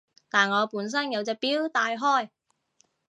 但我本身有隻錶戴開